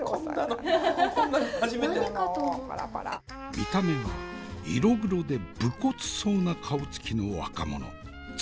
見た目は色黒で武骨そうな顔つきの若者つくね芋。